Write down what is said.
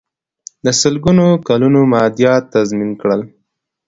د سلګونو کلونو مادیات تضمین کړل.